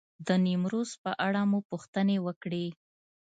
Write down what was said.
د نیمروز په اړه مو پوښتنې وکړې.